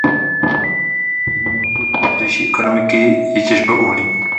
Významnou složkou zdejší ekonomiky je těžba uhlí.